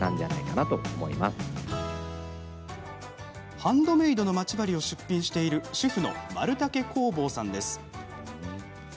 ハンドメイドのまち針を出品している主婦の、まるたけ工房さんです。